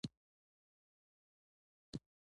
د مدرسو په باور هر څه په کې نه وي.